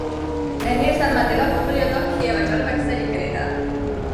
نیلسن منډېلا په خپل یاداښت کې یوه جالبه کیسه لیکلې ده.